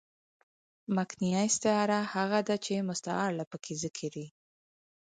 مکنیه استعاره هغه ده، چي مستعارله پکښي ذکر يي.